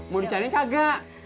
mau dicariin kagak